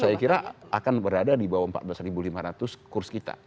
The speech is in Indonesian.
saya kira akan berada di bawah empat belas lima ratus kurs kita